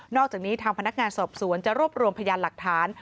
อกจากนี้ทางพนักงานสอบสวนจะรวบรวมพยานหลักฐาน